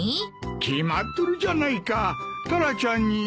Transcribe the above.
決まっとるじゃないかタラちゃんに。